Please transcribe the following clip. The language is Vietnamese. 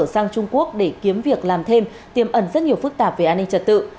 sang trung quốc để kiếm việc làm thêm tiềm ẩn rất nhiều phức tạp về an ninh trật tự